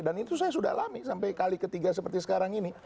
dan itu saya sudah alami sampai kali ketiga seperti sekarang ini